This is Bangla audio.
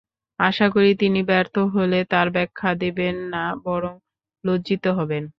আশা করি, তিনি ব্যর্থ হলে তার ব্যাখ্যা দেবেন না, বরং লজ্জিত হবেন।